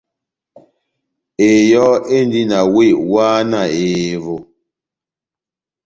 Eyɔ́ endi na wéh wáhá na ehevo.